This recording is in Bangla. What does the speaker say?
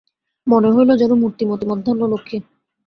মনে হইল, যেন মূর্তিমতী মধ্যাহ্নলক্ষ্মী!